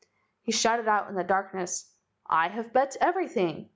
He shouted out into the darkness: "I have bet everything.